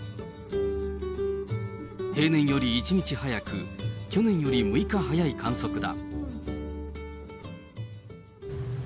平年より１日早く、去年より６日早い観測だ。